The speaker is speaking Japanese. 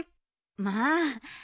まあ。